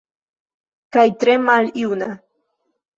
Kaj tre maljuna.